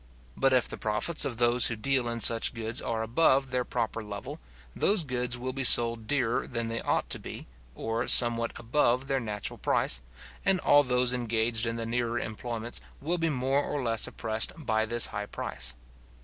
But if the profits of those who deal in such goods are above their proper level, those goods will be sold dearer than they ought to be, or somewhat above their natural price, and all those engaged in the nearer employments will be more or less oppressed by this high price.